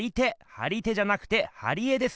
張り手じゃなくて貼り絵です！